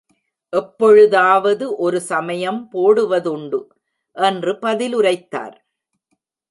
எப்பொழுதாவது ஒரு சமயம் போடுவதுண்டு! என்று பதில் உரைத்தார்.